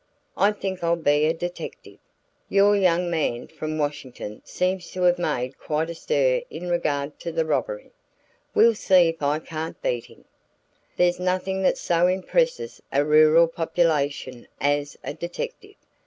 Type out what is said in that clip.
I think I'll be a detective. Your young man from Washington seems to have made quite a stir in regard to the robbery; we'll see if I can't beat him. There's nothing that so impresses a rural population as a detective.